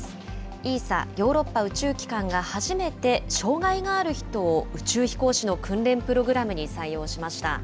ＥＳＡ・ヨーロッパ宇宙機関が初めて障害がある人を宇宙飛行士の訓練プログラムに採用しました。